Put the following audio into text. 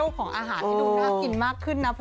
รวมที่ดูน่ากินมากขึ้นนะพอ